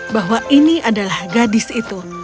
bahwa ini adalah gadis itu